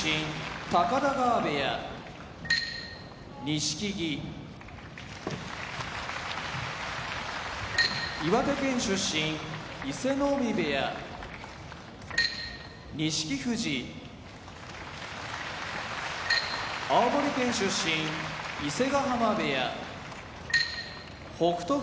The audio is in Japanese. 錦木岩手県出身伊勢ノ海部屋錦富士青森県出身伊勢ヶ濱部屋北勝